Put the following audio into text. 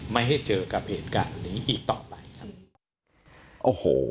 ไม่ให้เจอกับเหตุการณ์นี้อีกต่อไปครับโอ้โห